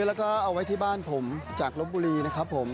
แล้วก็เอาไว้ที่บ้านผมจากลบบุรีนะครับผม